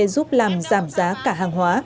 giúp làm giảm giá cả hàng hóa